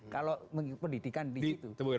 kalau pendidikan di situ